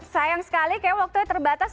sayang sekali kayaknya waktunya terbatas